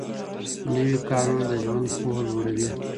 نوي کارونه د ژوند پوهه لوړوي.